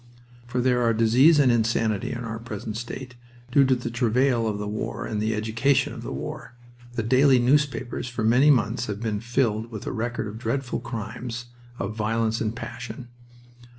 For there are disease and insanity in our present state, due to the travail of the war and the education of the war. The daily newspapers for many months have been filled with the record of dreadful crimes, of violence and passion.